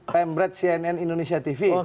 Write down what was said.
pemret cnn indonesia tv